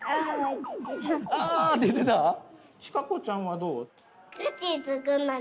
ちかこちゃんはどう？